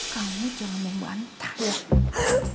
kamu jangan membantah